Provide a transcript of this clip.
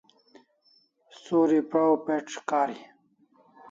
Suri praw pec' kariu